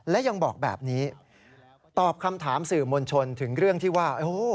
และยังบอกแบบนี้ตอบคำถามสื่อมวลชนถึงเรื่องที่ว่า